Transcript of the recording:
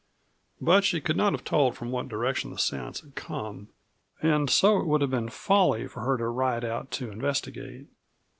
But she could not have told from what direction the sounds had come, and so it would have been folly for her to ride out to investigate.